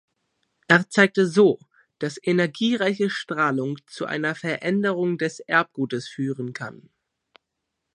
Er zeigte so, dass energiereiche Strahlung zu einer Veränderung des Erbgutes führen kann.